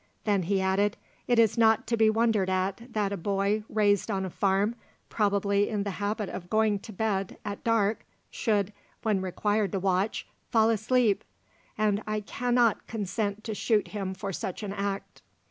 Then he added, "It is not to be wondered at that a boy raised on a farm, probably in the habit of going to bed at dark, should, when required to watch, fall asleep; and I cannot consent to shoot him for such an act."